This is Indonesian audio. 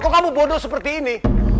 kok kamu bodoh seperti ini